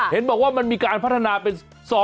เห็นบอกว่ามันมีการพัฒนาเป็น